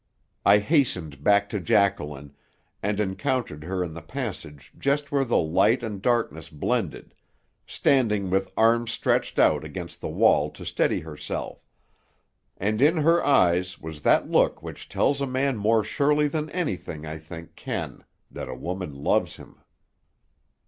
I hastened back to Jacqueline, and encountered her in the passage just where the light and darkness blended, standing with arms stretched out against the wall to steady herself; and in her eyes was that look which tells a man more surely than anything, I think, can, that a woman loves him.